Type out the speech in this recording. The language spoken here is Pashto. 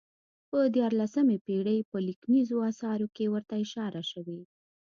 په دیارلسمې پېړۍ په لیکنیزو اثارو کې ورته اشاره شوې.